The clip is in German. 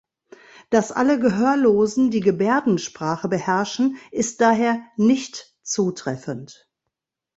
Dass alle Gehörlosen die Gebärdensprache beherrschen, ist daher "nicht" zutreffend.